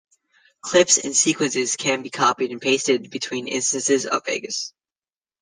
Clips and sequences can be copied and pasted between instances of Vegas.